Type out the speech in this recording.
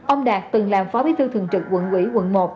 ông đạt từng làm phó bí thư thường trực quận ủy quận một